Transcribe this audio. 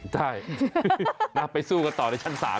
ได้มาไปสู้กันต่อในชั้นสาม